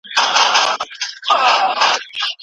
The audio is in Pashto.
په لویه جرګه کي د سولي خبري ولي زیاتي کېږي؟